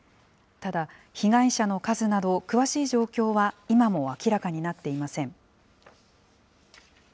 ただ、被害者の数など詳しい状況は今も明らかになっていません。